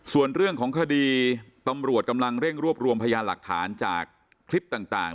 ส่วนเรื่องของคดีตำรวจกำลังเร่งรวบรวมพยานหลักฐานจากคลิปต่าง